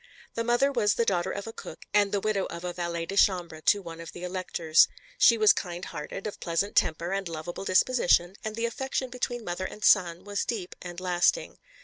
The mother was the daughter of a cook and the widow of a valet de chambre to one of the Electors. She was kind hearted, of pleasant temper and lovable disposition, and the affection between mother and son was deep and lasting.